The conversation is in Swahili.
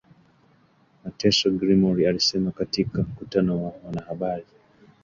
mateso Gilmore alisema katika mkutano na wanahabari